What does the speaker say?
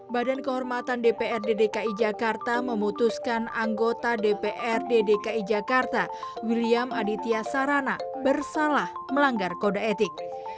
badan kehormatan dprd dki jakarta memutuskan anggota dprd dki jakarta william aditya sarana bersalah melanggar kode etik